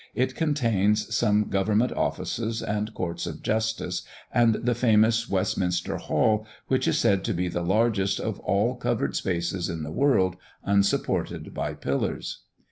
It contains some Government Offices, and Courts of Justice, and the famous Westminster Hall, which is said to be the largest of all covered spaces in the world unsupported by pillars.